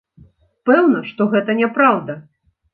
Пэўна, што гэта няпраўда.